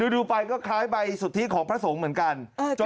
ดูไปก็คล้ายใบสุทธิของพระสงฆ์เหมือนกัน